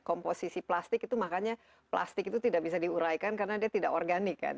komposisi plastik itu makanya plastik itu tidak bisa diuraikan karena dia tidak organik kan